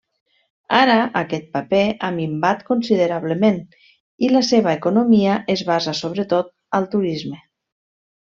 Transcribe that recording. Ara aquest paper ha minvat considerablement i la seva economia es basa sobretot al turisme.